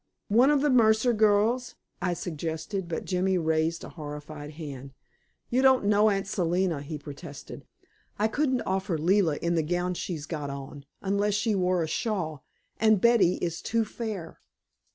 "One of the Mercer girls?" I suggested, but Jimmy raised a horrified hand. "You don't know Aunt Selina," he protested. "I couldn't offer Leila in the gown she's got on, unless she wore a shawl, and Betty is too fair."